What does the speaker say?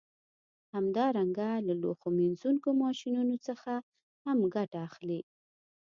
همدارنګه له لوښو مینځونکو ماشینونو څخه هم ګټه اخلي